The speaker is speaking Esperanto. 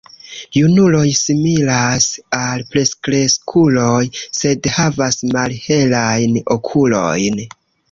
Junuloj similas al plenkreskuloj, sed havas malhelajn okulojn.